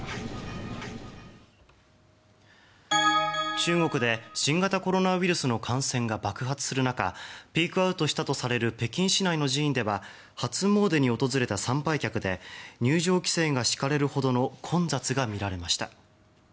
中国で新型コロナウイルスの感染が爆発する中ピークアウトしたとされる北京市内の寺院では初詣に訪れた参拝客で入場規制が敷かれるほどの混雑が見られました。